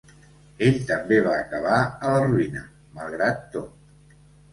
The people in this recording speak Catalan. Ell també va acabar a la ruïna, malgrat tot.